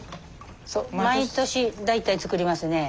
そう毎年大体作りますね。